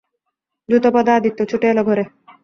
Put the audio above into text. দ্রুতপদে আদিত্য ছুটে এল ঘরে।